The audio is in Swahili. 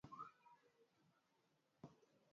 Kituruki hadi kutukuzwa kwa kila Kituruki na sifa zake